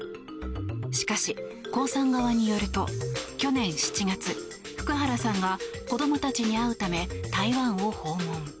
しかし、コウさん側によると去年７月福原さんが子どもたちに会うため台湾を訪問。